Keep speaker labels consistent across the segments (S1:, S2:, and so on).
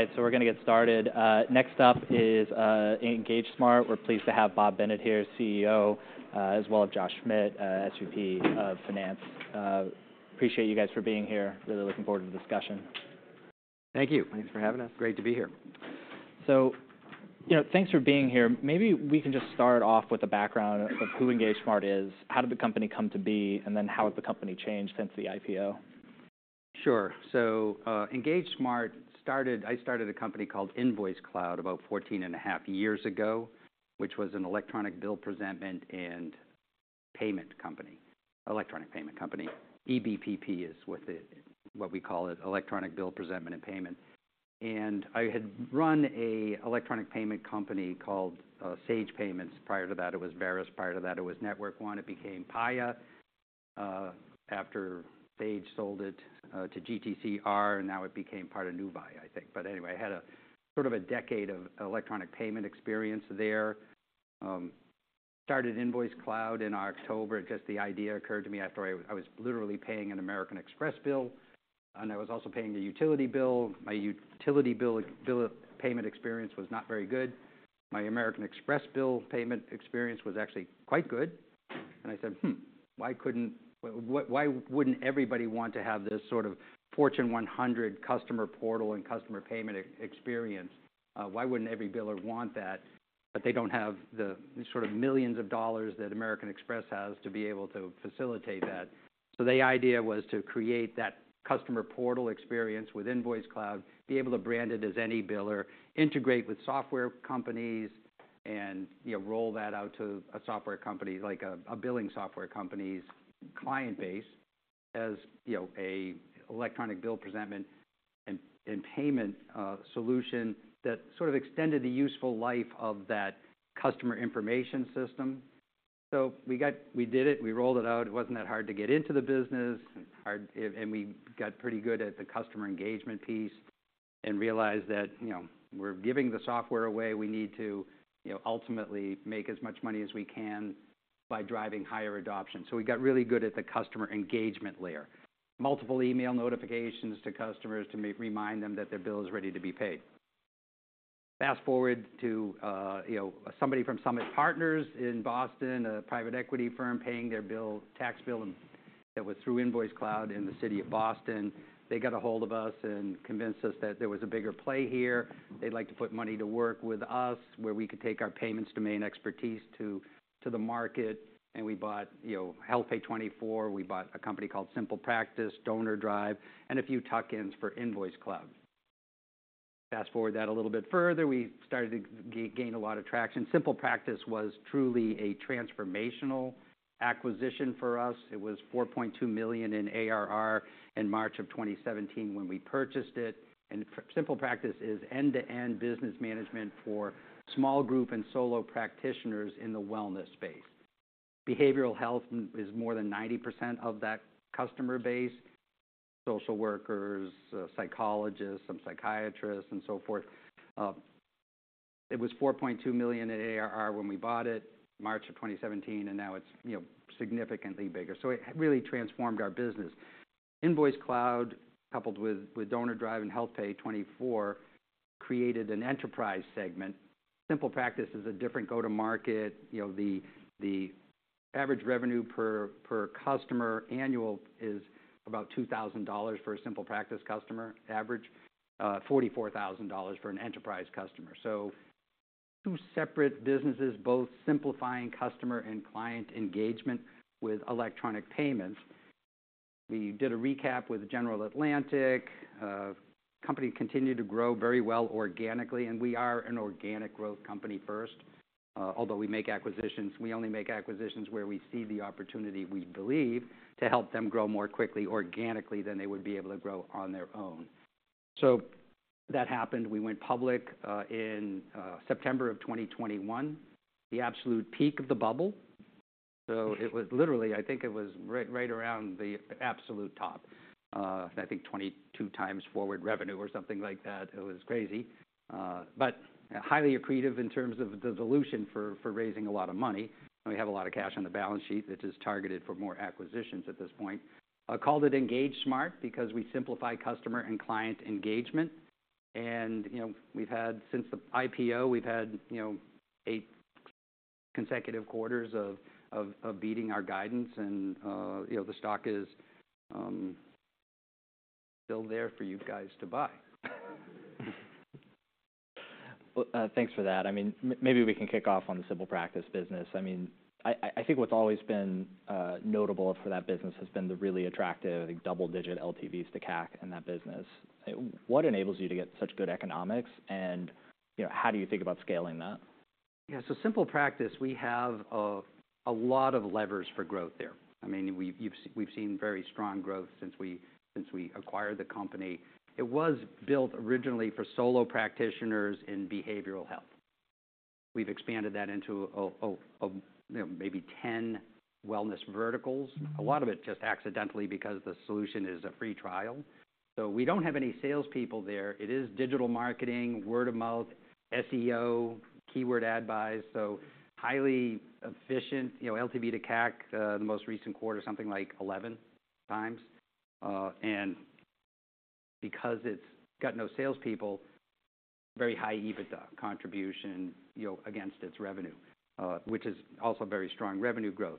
S1: All right, so we're gonna get started. Next up is EngageSmart. We're pleased to have Bob Bennett here, CEO, as well as Josh Schmidt, SVP of Finance. Appreciate you guys for being here. Really looking forward to the discussion.
S2: Thank you. Thanks for having us. Great to be here.
S1: You know, thanks for being here. Maybe we can just start off with a background of who EngageSmart is, how did the company come to be, and then how has the company changed since the IPO?
S2: Sure. So, EngageSmart started. I started a company called InvoiceCloud about 14.5 years ago, which was an electronic bill presentment and payment company, electronic payment company. EBPP is what we call it, electronic bill presentment and payment. And I had run an electronic payment company called Sage Payment Solutions prior to that. It was Verus prior to that, it was Network One. It became Paya after Sage sold it to GTCR, and now it became part of Nuvei, I think. But anyway, I had a sort of a decade of electronic payment experience there. Started InvoiceCloud in October, because the idea occurred to me after I was literally paying an American Express bill, and I was also paying a utility bill. My utility bill payment experience was not very good. My American Express bill payment experience was actually quite good, and I said, "Hmm, why couldn't... Why, why wouldn't everybody want to have this sort of Fortune 100 customer portal and customer payment experience? Why wouldn't every biller want that?" But they don't have the sort of millions of dollars that American Express has to be able to facilitate that. So the idea was to create that customer portal experience with InvoiceCloud, be able to brand it as any biller, integrate with software companies, and, you know, roll that out to a software company, like a, a billing software company's client base, as, you know, an electronic bill presentment and payment solution that sort of extended the useful life of that customer information system. So we got-- we did it, we rolled it out. It wasn't that hard to get into the business, hard... We got pretty good at the customer engagement piece and realized that, you know, we're giving the software away. We need to, you know, ultimately make as much money as we can by driving higher adoption. So we got really good at the customer engagement layer. Multiple email notifications to customers to re-remind them that their bill is ready to be paid. Fast forward to, you know, somebody from Summit Partners in Boston, a private equity firm, paying their bill, tax bill, that was through InvoiceCloud in the city of Boston. They got a hold of us and convinced us that there was a bigger play here. They'd like to put money to work with us, where we could take our payments, domain expertise to the market, and we bought, you know, HealthPay24, we bought a company called SimplePractice, DonorDrive, and a few tuck-ins for InvoiceCloud. Fast-forward that a little bit further, we started to gain a lot of traction. SimplePractice was truly a transformational acquisition for us. It was $4.2 million in ARR in March 2017 when we purchased it, and SimplePractice is end-to-end business management for small group and solo practitioners in the wellness space. Behavioral health is more than 90% of that customer base: social workers, psychologists, some psychiatrists, and so forth. It was $4.2 million in ARR when we bought it, March 2017, and now it's, you know, significantly bigger, so it really transformed our business. InvoiceCloud, coupled with DonorDrive and HealthPay24, created an enterprise segment. SimplePractice is a different go-to-market. You know, the average revenue per customer annual is about $2,000 for a SimplePractice customer, average $44,000 for an enterprise customer. So two separate businesses, both simplifying customer and client engagement with electronic payments. We did a recap with General Atlantic. Company continued to grow very well organically, and we are an organic growth company first. Although we make acquisitions, we only make acquisitions where we see the opportunity, we believe, to help them grow more quickly organically than they would be able to grow on their own. So that happened. We went public in September of 2021, the absolute peak of the bubble. So it was literally, I think it was right, right around the absolute top, I think 22 times forward revenue or something like that. It was crazy, but highly accretive in terms of the dilution for raising a lot of money, and we have a lot of cash on the balance sheet, which is targeted for more acquisitions at this point. Called it EngageSmart because we simplify customer and client engagement, and, you know, we've had... Since the IPO, we've had, you know, eight consecutive quarters of beating our guidance, and, you know, the stock is still there for you guys to buy.
S1: Well, thanks for that. I mean, maybe we can kick off on the SimplePractice business. I mean, I think what's always been notable for that business has been the really attractive double-digit LTVs to CAC in that business. What enables you to get such good economics? And, you know, how do you think about scaling that?
S2: Yeah, so SimplePractice, we have a lot of levers for growth there. I mean, we've seen very strong growth since we acquired the company. It was built originally for solo practitioners in behavioral health. We've expanded that into, you know, maybe 10 wellness verticals.
S1: Mm-hmm.
S2: A lot of it just accidentally because the solution is a free trial. So we don't have any salespeople there. It is digital marketing, word of mouth, SEO, keyword ad buys, so highly efficient. You know, LTV to CAC, the most recent quarter, something like 11x. And because it's got no salespeople, very high EBITDA contribution, you know, against its revenue, which is also very strong revenue growth.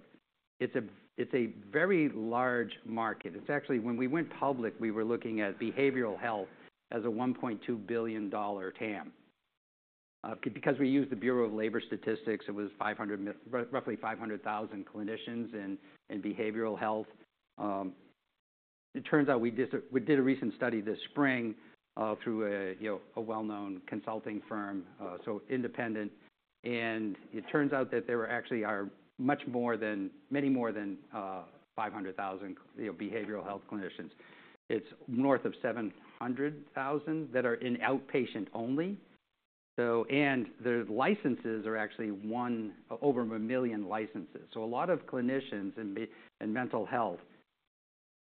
S2: It's a, it's a very large market. It's actually, when we went public, we were looking at behavioral health as a $1.2 billion TAM. Because we use the Bureau of Labor Statistics, it was roughly 500,000 clinicians in behavioral health. It turns out we did a recent study this spring through a you know a well-known consulting firm so independent, and it turns out that there actually are many more than 500,000 you know behavioral health clinicians. It's north of 700,000 that are in outpatient only. So, and the licenses are actually over one million licenses. So a lot of clinicians in mental health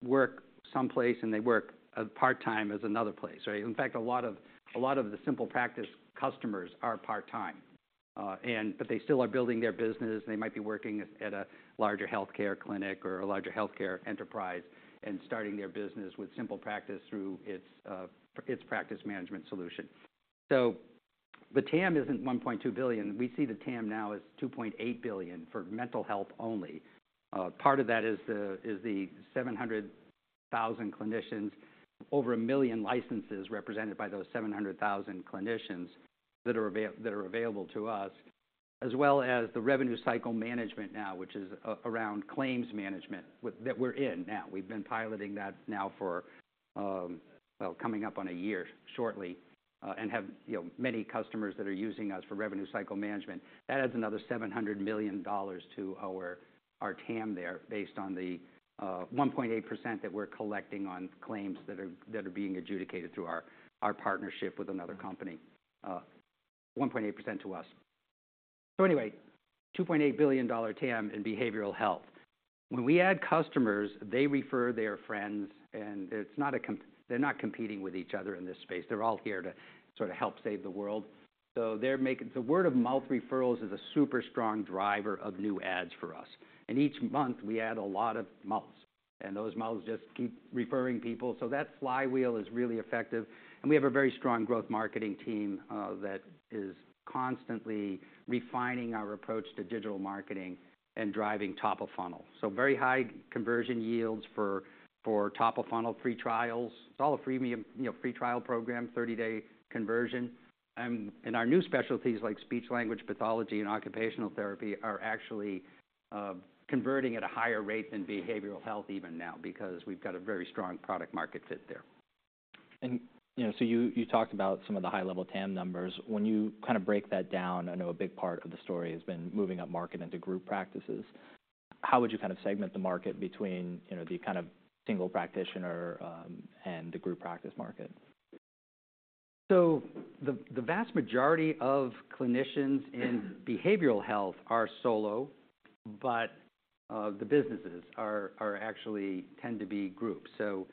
S2: work someplace, and they work part-time at another place, right? In fact, a lot of the SimplePractice customers are part-time, and but they still are building their business. They might be working at a larger healthcare clinic or a larger healthcare enterprise and starting their business with SimplePractice through its practice management solution. So the TAM isn't $1.2 billion. We see the TAM now as $2.8 billion for mental health only. Part of that is the 700,000 clinicians, over a million licenses represented by those 700,000 clinicians that are available to us, as well as the revenue cycle management now, which is around claims management that we're in now. We've been piloting that now for, well, coming up on a year shortly, and have, you know, many customers that are using us for revenue cycle management. That adds another $700 million to our TAM there, based on the 1.8% that we're collecting on claims that are being adjudicated through our partnership with another company, 1.8% to us. So anyway, $2.8 billion TAM in behavioral health. When we add customers, they refer their friends, and it's not a—they're not competing with each other in this space. They're all here to sort of help save the world. So they're making... The word-of-mouth referrals is a super strong driver of new ads for us. And each month, we add a lot of mouths, and those mouths just keep referring people. So that flywheel is really effective, and we have a very strong growth marketing team that is constantly refining our approach to digital marketing and driving top-of-funnel. So very high conversion yields for top-of-funnel free trials. It's all a freemium, you know, free trial program, 30-day conversion. And our new specialties, like speech-language pathology and occupational therapy, are actually converting at a higher rate than behavioral health even now, because we've got a very strong product market fit there.
S1: You know, so you talked about some of the high-level TAM numbers. When you kind of break that down, I know a big part of the story has been moving up market into group practices. How would you kind of segment the market between, you know, the kind of single practitioner and the group practice market?
S2: So the vast majority of clinicians in behavioral health are solo, but the businesses are actually tend to be groups. So,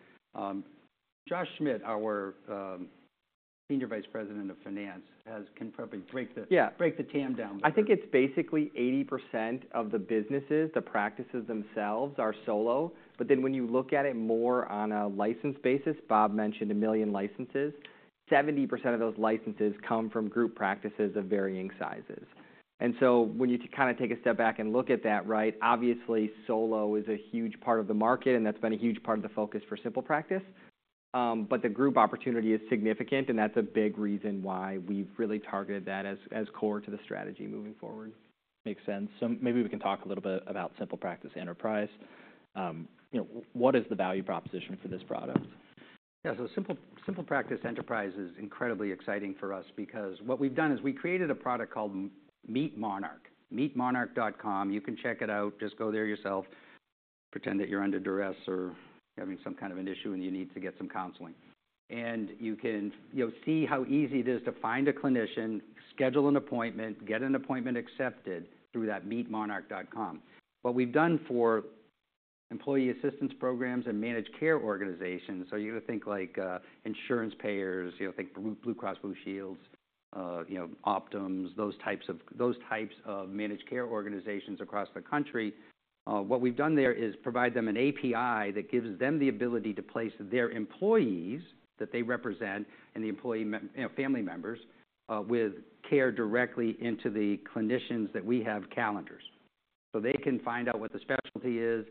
S2: Josh Schmidt, our Senior Vice President of Finance, can probably break the-
S3: Yeah.
S2: Break the TAM down.
S3: I think it's basically 80% of the businesses, the practices themselves, are solo. But then when you look at it more on a license basis, Bob mentioned a million licenses, 70% of those licenses come from group practices of varying sizes. And so when you kind of take a step back and look at that, right, obviously, solo is a huge part of the market, and that's been a huge part of the focus for SimplePractice. But the group opportunity is significant, and that's a big reason why we've really targeted that as core to the strategy moving forward.
S1: Makes sense. So maybe we can talk a little bit about SimplePractice Enterprise. You know, what is the value proposition for this product?
S2: Yeah, so SimplePractice Enterprise is incredibly exciting for us because what we've done is we created a product called Meet Monarch, meetmonarch.com. You can check it out. Just go there yourself, pretend that you're under duress or having some kind of an issue, and you need to get some counseling. And you can, you know, see how easy it is to find a clinician, schedule an appointment, get an appointment accepted through that meetmonarch.com. What we've done for employee assistance programs and managed care organizations, so you would think like, insurance payers, you know, think Blue Cross Blue Shield, you know, Optum, those types of managed care organizations across the country. What we've done there is provide them an API that gives them the ability to place their employees that they represent, and the employee family members, with care directly into the clinicians that we have calendars. So they can find out what the specialty is.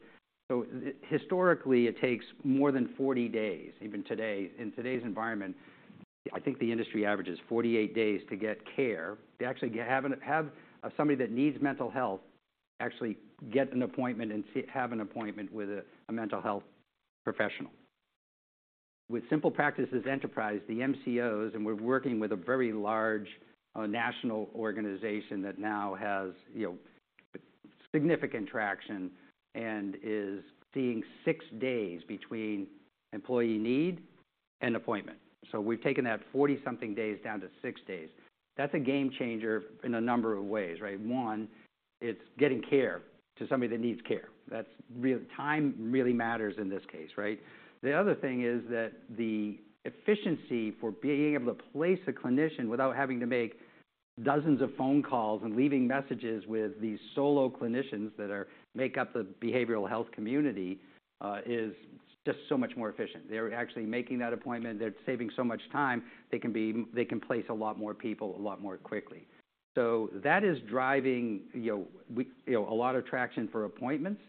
S2: Historically, it takes more than 40 days, even today, in today's environment, I think the industry average is 48 days to get care, to actually have somebody that needs mental health actually get an appointment and have an appointment with a mental health professional. With SimplePractice Enterprise, the MCOs, and we're working with a very large national organization that now has, you know, significant traction and is seeing six days between employee need and appointment. So we've taken that 40-something days down to six days. That's a game changer in a number of ways, right? One, it's getting care to somebody that needs care. That's real. Time really matters in this case, right? The other thing is that the efficiency for being able to place a clinician without having to make dozens of phone calls and leaving messages with these solo clinicians that make up the behavioral health community is just so much more efficient. They're actually making that appointment. They're saving so much time, they can place a lot more people a lot more quickly. So that is driving, you know, you know, a lot of traction for appointments.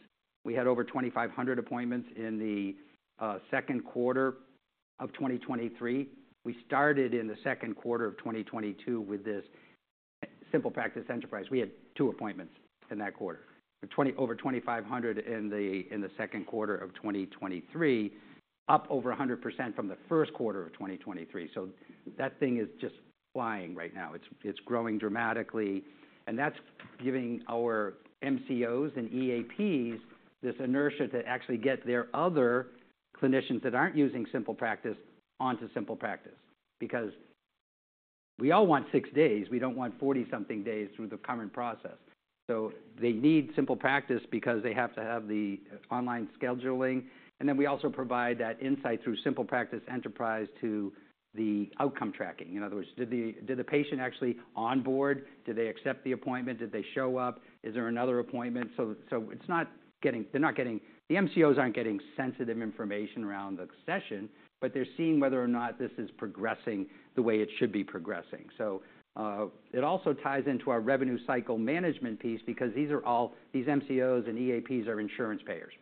S2: We had over 2,500 appointments in the second quarter of 2023. We started in the second quarter of 2022 with this SimplePractice Enterprise. We had two appointments in that quarter. Over 2,500 in the second quarter of 2023, up over 100% from the first quarter of 2023. So that thing is just flying right now. It's growing dramatically, and that's giving our MCOs and EAPs this inertia to actually get their other clinicians that aren't using SimplePractice onto SimplePractice. Because we all want six days. We don't want 40-something days through the current process. So they need SimplePractice because they have to have the online scheduling, and then we also provide that insight through SimplePractice Enterprise to the outcome tracking. In other words, did the patient actually onboard? Did they accept the appointment? Did they show up? Is there another appointment? So it's not getting... The MCOs aren't getting sensitive information around the session, but they're seeing whether or not this is progressing the way it should be progressing. So, it also ties into our revenue cycle management piece because these MCOs and EAPs are insurance payers.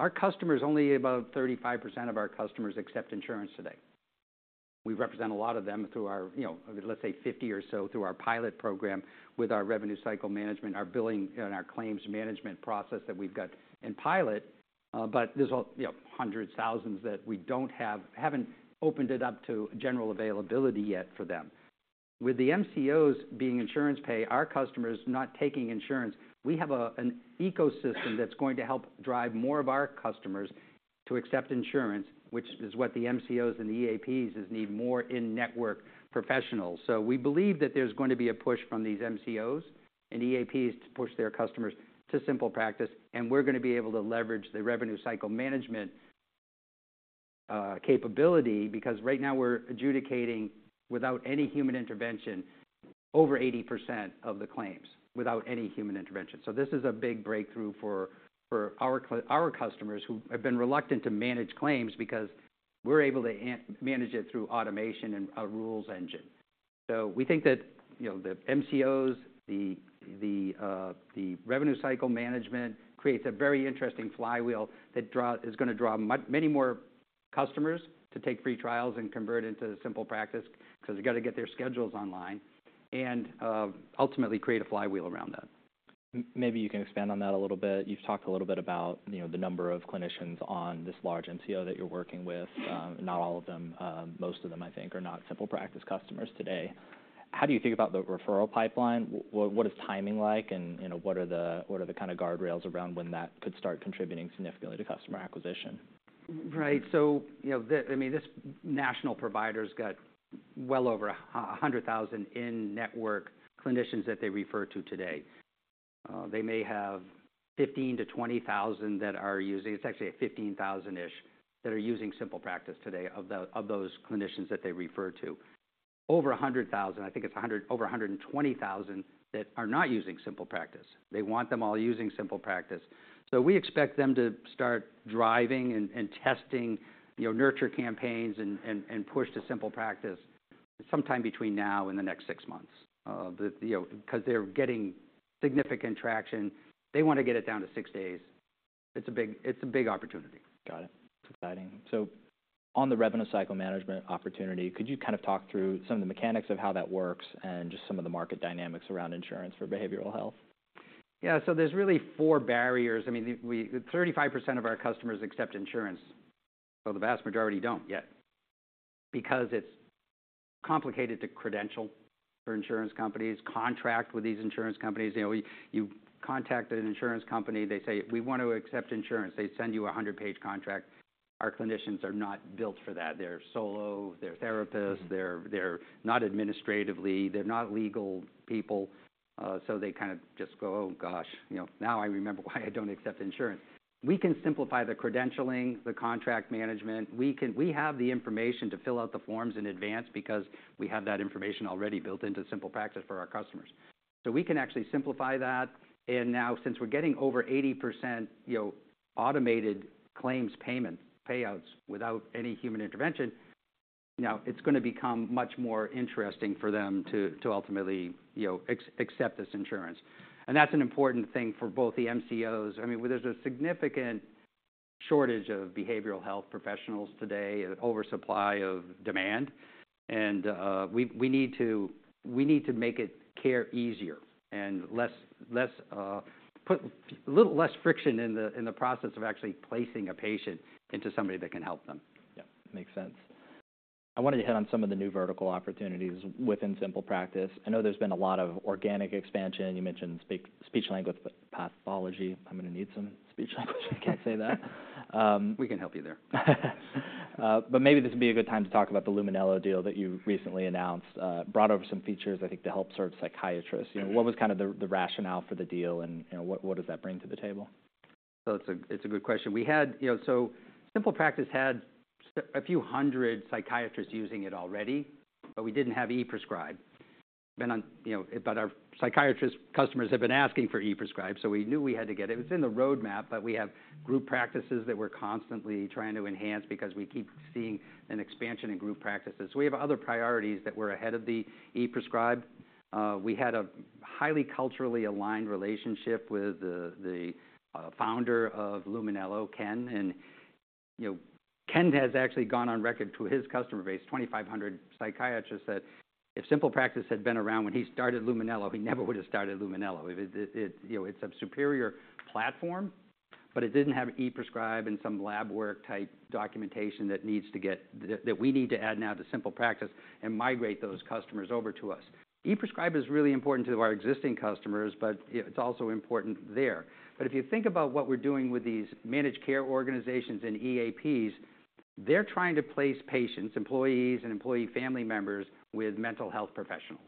S2: Our customers, only about 35% of our customers, accept insurance today. We represent a lot of them through our, you know, let's say, 50 or so, through our pilot program with our revenue cycle management, our billing, and our claims management process that we've got in pilot. But there's, you know, hundreds, thousands that we haven't opened it up to general availability yet for them. With the MCOs being insurance pay, our customers not taking insurance, we have an ecosystem that's going to help drive more of our customers to accept insurance, which is what the MCOs and the EAPs is need more in-network professionals. So we believe that there's going to be a push from these MCOs and EAPs to push their customers to SimplePractice, and we're gonna be able to leverage the revenue cycle management capability, because right now we're adjudicating, without any human intervention, over 80% of the claims, without any human intervention. So this is a big breakthrough for our customers, who have been reluctant to manage claims because we're able to manage it through automation and a rules engine. So we think that, you know, the MCOs, the revenue cycle management creates a very interesting flywheel that is gonna draw many more customers to take free trials and convert into SimplePractice, 'cause they've got to get their schedules online and, ultimately, create a flywheel around that.
S1: Maybe you can expand on that a little bit. You've talked a little bit about, you know, the number of clinicians on this large MCO that you're working with. Not all of them, most of them, I think, are not SimplePractice customers today. How do you think about the referral pipeline? What is timing like, and, you know, what are the, what are the kind of guardrails around when that could start contributing significantly to customer acquisition?
S2: Right. So, you know, the, I mean, this national provider's got well over 100,000 in-network clinicians that they refer to today. They may have 15,000-20,000 that are using, it's actually a 15,000-ish, that are using SimplePractice today of the, of those clinicians that they refer to. Over 100,000, I think it's 100- over 120,000, that are not using SimplePractice. They want them all using SimplePractice. So we expect them to start driving and, and, and push to SimplePractice sometime between now and the next six months. The, you know, 'cause they're getting significant traction. They want to get it down to six days. It's a big, it's a big opportunity.
S1: Got it. It's exciting. So on the revenue cycle management opportunity, could you kind of talk through some of the mechanics of how that works and just some of the market dynamics around insurance for behavioral health?
S2: Yeah, so there's really four barriers. I mean, 35% of our customers accept insurance, so the vast majority don't yet, because it's complicated to credential for insurance companies, contract with these insurance companies. You know, you contact an insurance company, they say, "We want to accept insurance." They send you a 100-page contract. Our clinicians are not built for that. They're solo, they're therapists-
S1: Mm-hmm.
S2: They're, they're not administratively, they're not legal people, so they kind of just go, "Oh, gosh, you know, now I remember why I don't accept insurance." We can simplify the credentialing, the contract management. We can. We have the information to fill out the forms in advance because we have that information already built into SimplePractice for our customers. So we can actually simplify that, and now, since we're getting over 80%, you know, automated claims payment, payouts without any human intervention, now it's gonna become much more interesting for them to, to ultimately, you know, accept this insurance. And that's an important thing for both the MCOs. I mean, there's a significant shortage of behavioral health professionals today, oversupply of demand, and we need to make it care easier and less put a little less friction in the process of actually placing a patient into somebody that can help them.
S1: Yeah, makes sense. I wanted to hit on some of the new vertical opportunities within SimplePractice. I know there's been a lot of organic expansion. You mentioned speech, speech language pathology. I'm gonna need some speech language. I can't say that.
S2: We can help you there.
S1: But maybe this would be a good time to talk about the Luminello deal that you recently announced, brought over some features, I think, to help serve psychiatrists.
S2: Mm-hmm.
S1: You know, what was kind of the rationale for the deal, and, you know, what does that bring to the table?
S2: So it's a good question. We had, you know, so SimplePractice had a few hundred psychiatrists using it already, but we didn't have e-prescribe. But on, you know, but our psychiatrist customers have been asking for e-prescribe, so we knew we had to get it. It was in the roadmap, but we have group practices that we're constantly trying to enhance because we keep seeing an expansion in group practices. We have other priorities that were ahead of the e-prescribe. We had a highly culturally aligned relationship with the founder of Luminello, Ken. And, you know, Ken has actually gone on record to his customer base, 2,500 psychiatrists, that if SimplePractice had been around when he started Luminello, he never would have started Luminello. You know, it's a superior platform, but it didn't have e-prescribe and some lab work-type documentation that we need to add now to SimplePractice and migrate those customers over to us. E-prescribe is really important to our existing customers, but, you know, it's also important there. But if you think about what we're doing with these managed care organizations and EAPs, they're trying to place patients, employees, and employee family members with mental health professionals.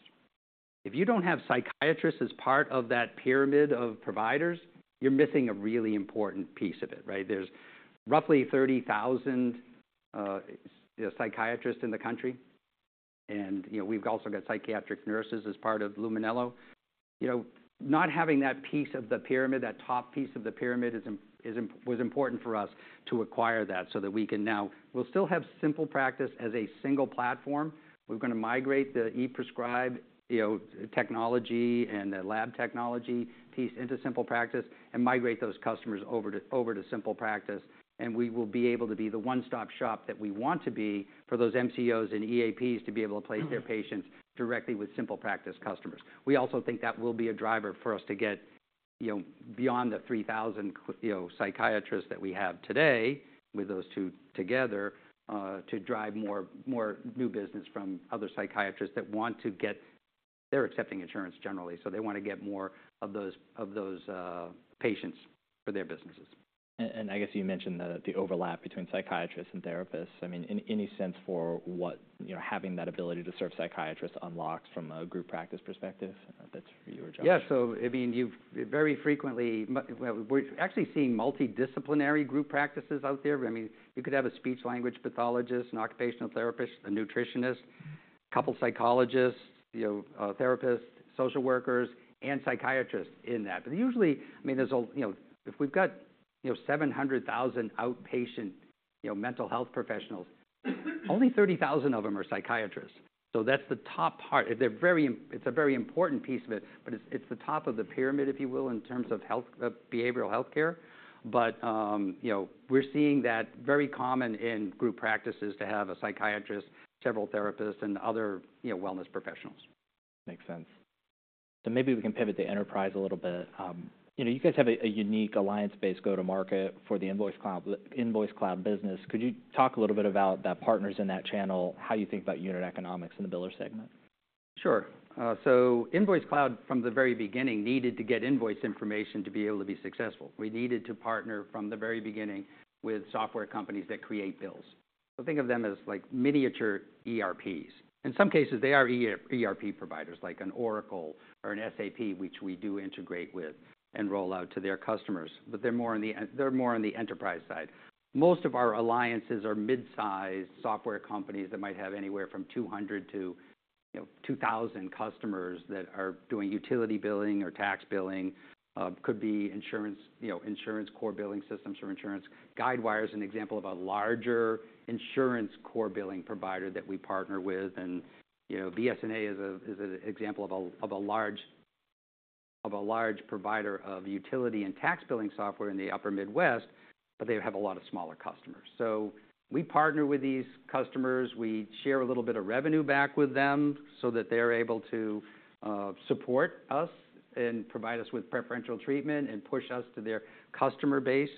S2: If you don't have psychiatrists as part of that pyramid of providers, you're missing a really important piece of it, right? There's roughly 30,000 psychiatrists in the country, and, you know, we've also got psychiatric nurses as part of Luminello. You know, not having that piece of the pyramid, that top piece of the pyramid, was important for us to acquire that, so that we can now... We'll still have SimplePractice as a single platform. We're gonna migrate the e-prescribe, you know, technology and the lab technology piece into SimplePractice and migrate those customers over to, over to SimplePractice, and we will be able to be the one-stop shop that we want to be for those MCOs and EAPs to be able to place their patients directly with SimplePractice customers. We also think that will be a driver for us to get, you know, beyond the 3,000 psychiatrists that we have today, with those two together, to drive more, more new business from other psychiatrists that want to get-- They're accepting insurance generally, so they want to get more of those, of those, patients for their businesses.
S1: I guess you mentioned the overlap between psychiatrists and therapists. I mean, in any sense for what, you know, having that ability to serve psychiatrists unlocks from a group practice perspective? That's for you or Josh.
S2: Yeah. So I mean, you see very frequently, well, we're actually seeing multidisciplinary group practices out there. I mean, you could have a speech-language pathologist, an occupational therapist, a nutritionist, a couple psychologists, you know, therapists, social workers, and psychiatrists in that. But usually, I mean, there's. You know, if we've got, you know, 700,000 outpatient, you know, mental health professionals, only 30,000 of them are psychiatrists. So that's the top part. They're very. It's a very important piece of it, but it's, it's the top of the pyramid, if you will, in terms of health, behavioral healthcare. But, you know, we're seeing that very common in group practices to have a psychiatrist, several therapists, and other, you know, wellness professionals.
S1: Makes sense. So maybe we can pivot to enterprise a little bit. You know, you guys have a unique alliance-based go-to-market for the InvoiceCloud business. Could you talk a little bit about the partners in that channel, how you think about unit economics in the biller segment?
S2: Sure. So InvoiceCloud, from the very beginning, needed to get invoice information to be able to be successful. We needed to partner from the very beginning with software companies that create bills. So think of them as like miniature ERPs. In some cases, they are ERP providers, like an Oracle or an SAP, which we do integrate with and roll out to their customers, but they're more on the enterprise side. Most of our alliances are mid-sized software companies that might have anywhere from 200 to, you know, 2,000 customers that are doing utility billing or tax billing. Could be insurance, you know, insurance core billing systems or insurance. Guidewire is an example of a larger insurance core billing provider that we partner with. You know, BS&A is an example of a large provider of utility and tax billing software in the Upper Midwest, but they have a lot of smaller customers. So we partner with these customers. We share a little bit of revenue back with them so that they're able to support us and provide us with preferential treatment and push us to their customer base.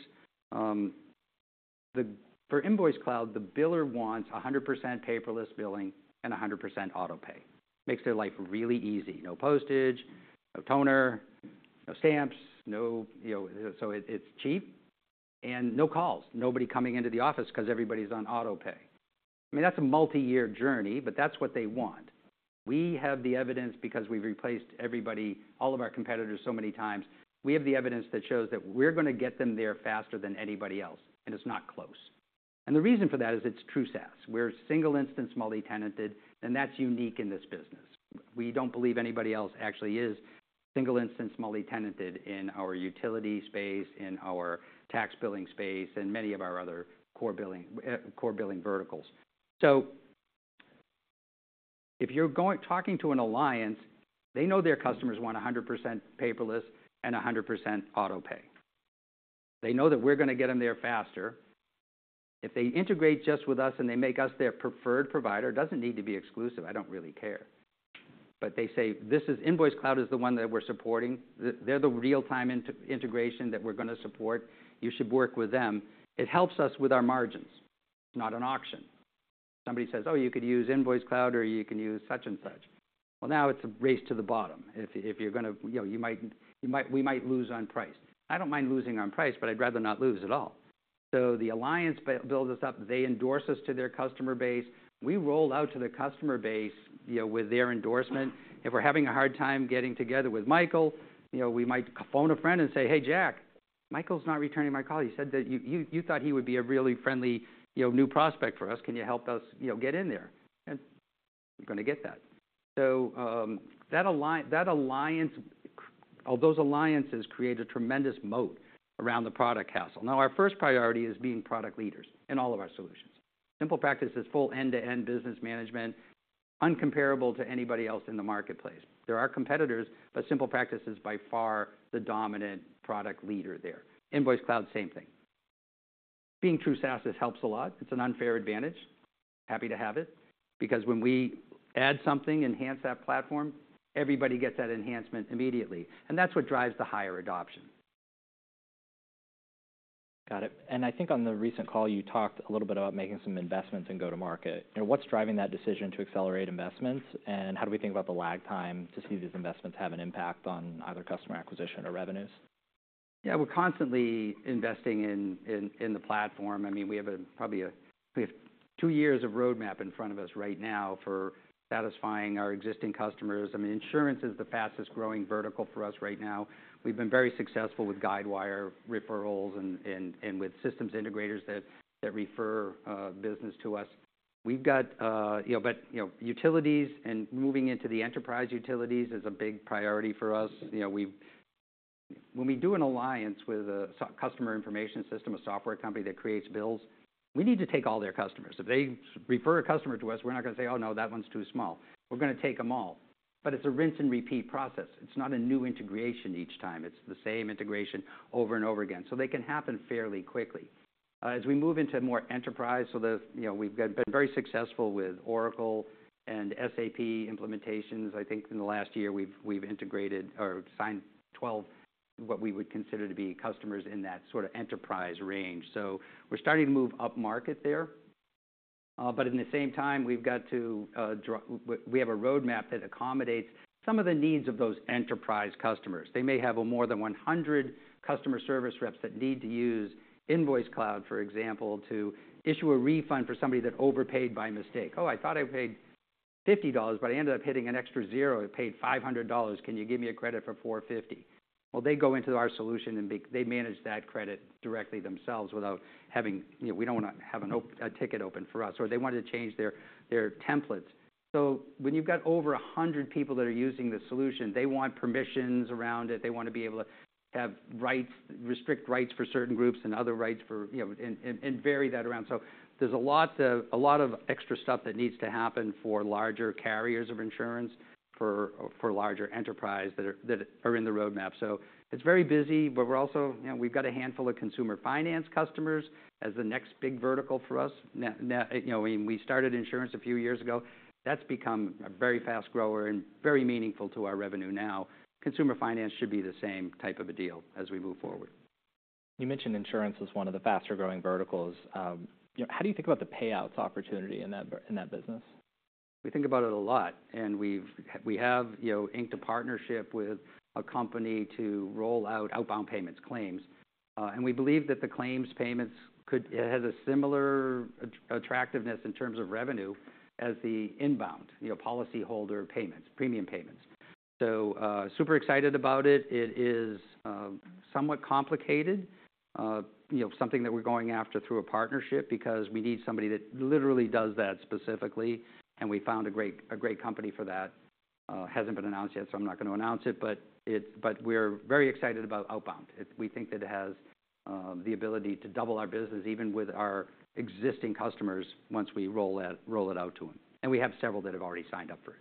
S2: For InvoiceCloud, the biller wants 100% paperless billing and 100% auto pay. Makes their life really easy. No postage, no toner, no stamps, you know, so it's cheap and no calls. Nobody coming into the office 'cause everybody's on auto pay. I mean, that's a multi-year journey, but that's what they want. We have the evidence because we've replaced everybody, all of our competitors, so many times. We have the evidence that shows that we're gonna get them there faster than anybody else, and it's not close. And the reason for that is it's true SaaS. We're single instance, multi-tenanted, and that's unique in this business. We don't believe anybody else actually is single instance, multi-tenanted in our utility space, in our tax billing space, and many of our other core billing, core billing verticals. So if you're going- talking to an alliance, they know their customers want 100% paperless and 100% auto pay. They know that we're gonna get them there faster. If they integrate just with us, and they make us their preferred provider, it doesn't need to be exclusive. I don't really care. But they say: "This is... InvoiceCloud is the one that we're supporting. They're the real-time integration that we're gonna support. You should work with them." It helps us with our margins. It's not an auction. Somebody says: "Oh, you could use InvoiceCloud, or you can use such and such." Well, now it's a race to the bottom. If you're gonna, you know, we might lose on price. I don't mind losing on price, but I'd rather not lose at all. So the alliance builds us up. They endorse us to their customer base. We roll out to the customer base, you know, with their endorsement. If we're having a hard time getting together with Michael, you know, we might phone a friend and say, "Hey, Jack, Michael's not returning my call. You said that you thought he would be a really friendly, you know, new prospect for us. Can you help us, you know, get in there?" And we're gonna get that. So, that alliance, those alliances create a tremendous moat around the product castle. Now, our first priority is being product leaders in all of our solutions. SimplePractice is full end-to-end business management, incomparable to anybody else in the marketplace. There are competitors, but SimplePractice is by far the dominant product leader there. InvoiceCloud, same thing. Being true SaaS helps a lot. It's an unfair advantage. Happy to have it, because when we add something, enhance that platform, everybody gets that enhancement immediately, and that's what drives the higher adoption.
S1: Got it. I think on the recent call, you talked a little bit about making some investments in go-to-market. Now, what's driving that decision to accelerate investments, and how do we think about the lag time to see these investments have an impact on either customer acquisition or revenues?
S2: Yeah, we're constantly investing in the platform. I mean, we have probably a-- we have two years of roadmap in front of us right now for satisfying our existing customers. I mean, insurance is the fastest-growing vertical for us right now. We've been very successful with Guidewire referrals and with systems integrators that refer business to us. We've got... You know, but, you know, utilities and moving into the enterprise utilities is a big priority for us. You know, we've-- When we do an alliance with a software customer information system, a software company that creates bills, we need to take all their customers. If they refer a customer to us, we're not gonna say, "Oh, no, that one's too small." We're gonna take them all. But it's a rinse-and-repeat process. It's not a new integration each time. It's the same integration over and over again, so they can happen fairly quickly. As we move into more enterprise, so the... You know, we've been very successful with Oracle and SAP implementations. I think in the last year, we've integrated or signed 12, what we would consider to be customers in that sort of enterprise range. So we're starting to move upmarket there. But in the same time, we've got to, We have a roadmap that accommodates some of the needs of those enterprise customers. They may have more than 100 customer service reps that need to use InvoiceCloud, for example, to issue a refund for somebody that overpaid by mistake. "Oh, I thought I paid $50, but I ended up hitting an extra zero. I paid $500. Can you give me a credit for $450?" Well, they go into our solution, and they manage that credit directly themselves without having... You know, we don't want to have an open ticket for us, or they wanted to change their templates. So when you've got over 100 people that are using the solution, they want permissions around it. They want to be able to have rights, restrict rights for certain groups and other rights for, you know, and vary that around. So there's a lot of extra stuff that needs to happen for larger carriers of insurance, for larger enterprise that are in the roadmap. So it's very busy, but we're also... You know, we've got a handful of consumer finance customers as the next big vertical for us. Now, now, you know, when we started insurance a few years ago, that's become a very fast grower and very meaningful to our revenue now. Consumer finance should be the same type of a deal as we move forward.
S1: You mentioned insurance is one of the faster-growing verticals. You know, how do you think about the payouts opportunity in that business?
S2: We think about it a lot, and we have, you know, inked a partnership with a company to roll out outbound payments claims. And we believe that the claims payments could. It has a similar attractiveness in terms of revenue as the inbound, you know, policyholder payments, premium payments. So, super excited about it. It is somewhat complicated, you know, something that we're going after through a partnership because we need somebody that literally does that specifically, and we found a great company for that. Hasn't been announced yet, so I'm not going to announce it, but but we're very excited about outbound. We think it has the ability to double our business, even with our existing customers, once we roll it out to them, and we have several that have already signed up for it.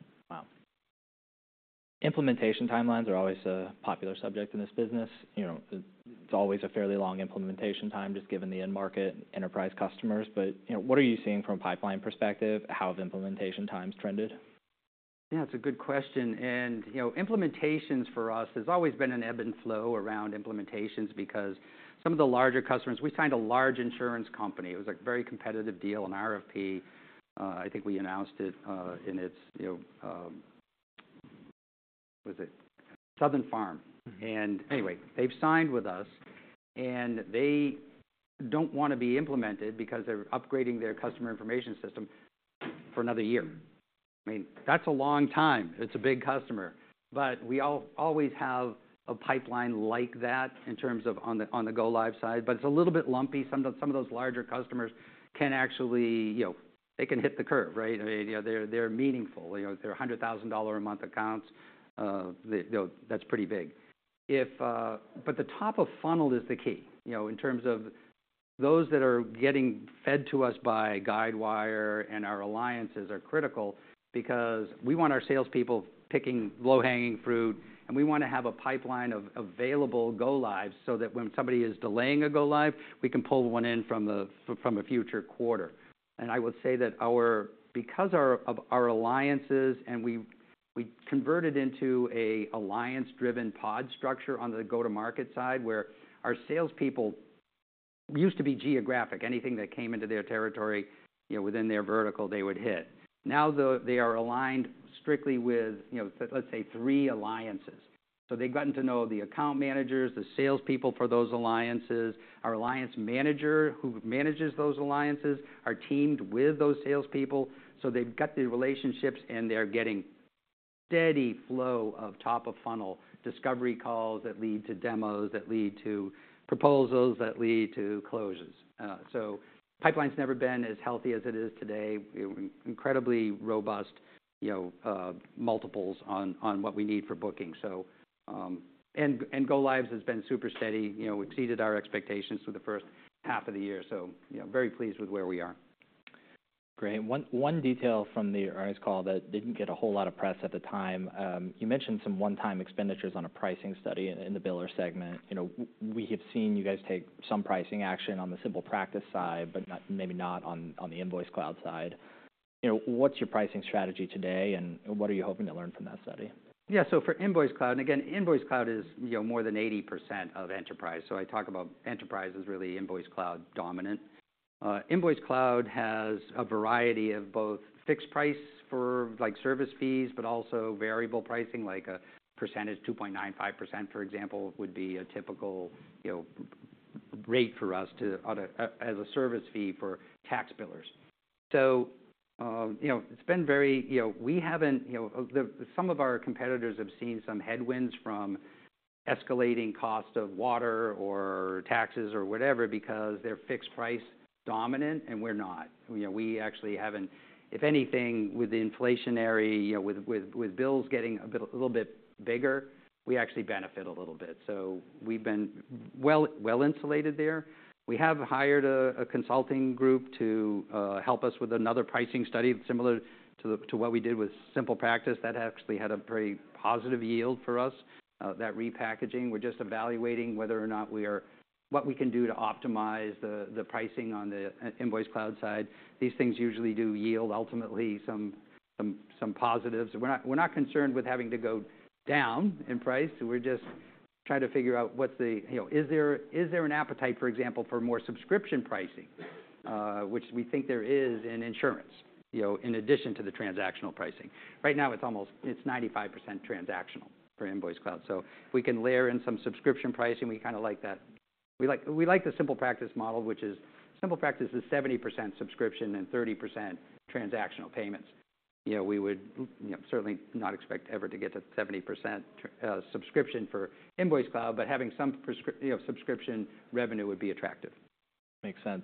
S1: Wow! Implementation timelines are always a popular subject in this business. You know, it's always a fairly long implementation time, just given the end market enterprise customers. But, you know, what are you seeing from a pipeline perspective? How have implementation times trended?
S2: Yeah, it's a good question, and, you know, implementations for us has always been an ebb and flow around implementations because some of the larger customers... We signed a large insurance company. It was a very competitive deal, an RFP. I think we announced it, in its, you know, what is it? Southern Farm Bureau.
S1: Mm-hmm.
S2: And anyway, they've signed with us, and they don't want to be implemented because they're upgrading their customer information system for another year. I mean, that's a long time. It's a big customer. But we always have a pipeline like that in terms of on the go-live side, but it's a little bit lumpy. Some of those larger customers can actually, you know, they can hit the curve, right? I mean, you know, they're meaningful. You know, they're $100,000-a-month accounts. They, you know, that's pretty big. If... But the top of funnel is the key, you know, in terms of those that are getting fed to us by Guidewire and our alliances are critical because we want our salespeople picking low-hanging fruit, and we want to have a pipeline of available go-lives so that when somebody is delaying a go-live, we can pull one in from a future quarter. And I would say that our—because of our alliances, we converted into an alliance-driven pod structure on the go-to-market side, where our salespeople used to be geographic. Anything that came into their territory, you know, within their vertical, they would hit. Now, though, they are aligned strictly with, you know, let's say, three alliances. So they've gotten to know the account managers, the salespeople for those alliances. Our alliance manager, who manages those alliances, are teamed with those salespeople, so they've got the relationships, and they're getting steady flow of top-of-funnel discovery calls that lead to demos, that lead to proposals, that lead to closes. So pipeline's never been as healthy as it is today. Incredibly robust, you know, multiples on, on what we need for booking. So, and, and go lives has been super steady, you know, exceeded our expectations for the first half of the year, so, you know, very pleased with where we are.
S1: Great. One detail from the earnings call that didn't get a whole lot of press at the time. You mentioned some one-time expenditures on a pricing study in the biller segment. You know, we have seen you guys take some pricing action on the SimplePractice side, but not maybe not on the InvoiceCloud side. You know, what's your pricing strategy today, and what are you hoping to learn from that study?
S2: Yeah, so for InvoiceCloud, and again, InvoiceCloud is, you know, more than 80% of enterprise. So I talk about enterprise as really InvoiceCloud dominant. InvoiceCloud has a variety of both fixed price for, like, service fees, but also variable pricing, like a percentage. 2.95%, for example, would be a typical, you know, rate for us to as a service fee for tax billers. So, you know, it's been very, you know, we haven't, you know. Some of our competitors have seen some headwinds from escalating cost of water or taxes or whatever because they're fixed price dominant, and we're not. You know, we actually haven't. If anything, with the inflationary, you know, with bills getting a bit, a little bit bigger, we actually benefit a little bit. So we've been well-insulated there. We have hired a consulting group to help us with another pricing study, similar to what we did with SimplePractice. That actually had a very positive yield for us, that repackaging. We're just evaluating whether or not what we can do to optimize the pricing on the InvoiceCloud side. These things usually do yield ultimately some positives. We're not concerned with having to go down in price. We're just trying to figure out what's the... You know, is there an appetite, for example, for more subscription pricing? Which we think there is in insurance, you know, in addition to the transactional pricing. Right now, it's almost 95% transactional for InvoiceCloud. So if we can layer in some subscription pricing, we kinda like that. We like, we like the SimplePractice model, which is SimplePractice is 70% subscription and 30% transactional payments. You know, we would, you know, certainly not expect ever to get to 70% subscription for InvoiceCloud, but having some subscription revenue would be attractive.
S1: Makes sense.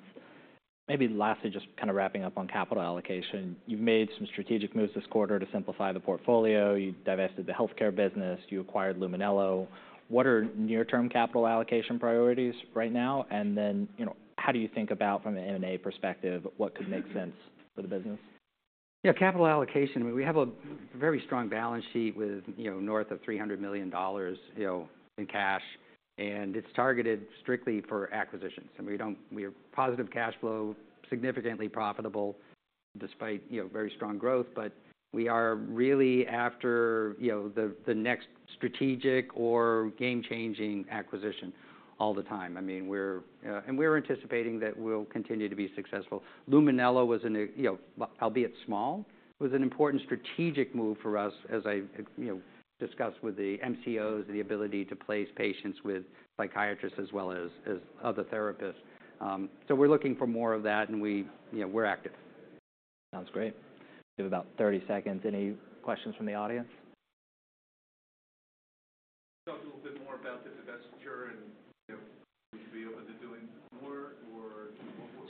S1: Maybe lastly, just kind of wrapping up on capital allocation. You've made some strategic moves this quarter to simplify the portfolio. You divested the healthcare business, you acquired Luminello. What are near-term capital allocation priorities right now? And then, you know, how do you think about from an M&A perspective, what could make sense for the business?
S2: Yeah, capital allocation. We have a very strong balance sheet with, you know, north of $300 million, you know, in cash, and it's targeted strictly for acquisitions. We have positive cash flow, significantly profitable, despite, you know, very strong growth, but we are really after, you know, the, the next strategic or game-changing acquisition all the time. I mean, we're... And we're anticipating that we'll continue to be successful. Luminello was a new, you know, albeit small, was an important strategic move for us, as I, you know, discussed with the MCOs, the ability to place patients with psychiatrists as well as, as other therapists. So we're looking for more of that, and we, you know, we're active.
S1: Sounds great. We have about 30 seconds. Any questions from the audience?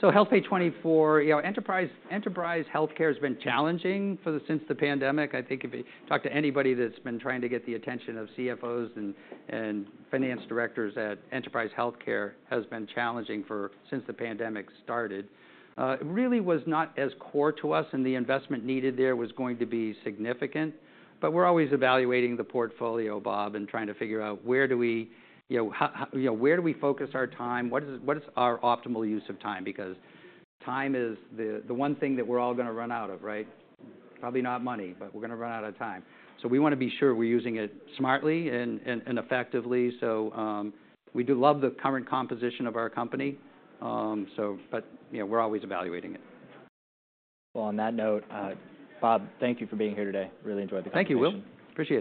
S4: Talk a little bit more about the divestiture, and, you know, would you be open to doing more or-
S2: So HealthPay24, you know, enterprise, enterprise healthcare has been challenging for the-- since the pandemic. I think if you talk to anybody that's been trying to get the attention of CFOs and, and finance directors at enterprise healthcare, has been challenging for-- since the pandemic started. It really was not as core to us, and the investment needed there was going to be significant, but we're always evaluating the portfolio, Bob, and trying to figure out where do we, you know, how, how, you know, where do we focus our time? What is, what is our optimal use of time? Because time is the, the one thing that we're all gonna run out of, right? Probably not money, but we're gonna run out of time. So we want to be sure we're using it smartly and effectively. So, we do love the current composition of our company, but, you know, we're always evaluating it.
S1: Well, on that note, Bob, thank you for being here today. Really enjoyed the conversation.
S2: Thank you, Will. Appreciate it.